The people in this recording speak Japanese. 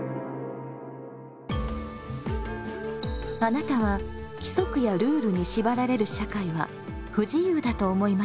あなたは規則やルールに縛られる社会は不自由だと思いますか？